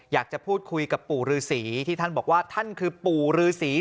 อยากจะพูดคุยกับปู่ฤษีที่ท่านบอกว่าท่านคือปู่ฤษี